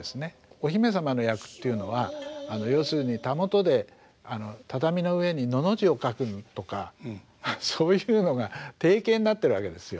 お姫様の役というのは要するにたもとで畳の上に「の」の字を書くとかそういうのが定型になってるわけですよ。